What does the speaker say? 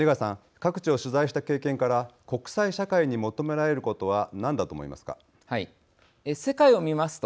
各地を取材した経験から国際社会に求められることは何だとおもいますか。